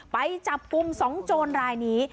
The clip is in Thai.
ไปจับกลุ่ม๒โจรรายนี้